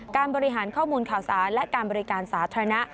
การบริหารข้อมูลข่าวสารและการบริการสาธารณะ